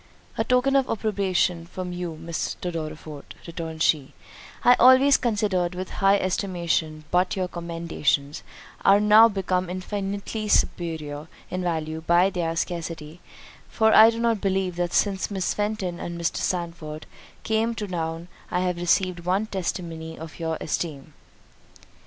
"A token of approbation from you, Mr. Dorriforth," returned she, "I always considered with high estimation—but your commendations are now become infinitely superior in value by their scarcity; for I do not believe that since Miss Fenton and Mr. Sandford came to town, I have received one testimony of your esteem."